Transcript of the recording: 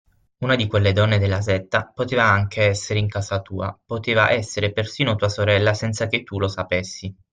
Una di quelle donne della setta, poteva anche essere in casa tua, poteva essere persino tua sorella senza che tu lo sapessi.